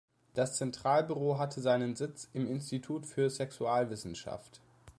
Das Zentralbüro hatte seinen Sitz im Institut für Sexualwissenschaft.